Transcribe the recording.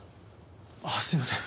ああすいません。